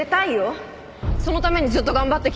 そのためにずっと頑張ってきたんだから。